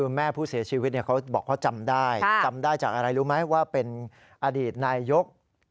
คือแม่ผู้เสียชีวิตเขาบอกเขาจำได้จำได้จากอะไรรู้ไหมว่าเป็นอดีตนายก